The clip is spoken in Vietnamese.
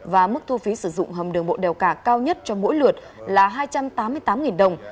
và mức thu phí sử dụng hầm đường bộ đèo cả cao nhất cho mỗi lượt là hai trăm tám mươi tám đồng